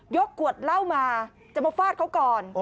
ขวดเหล้ามาจะมาฟาดเขาก่อน